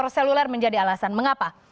atau seluler menjadi alasan mengapa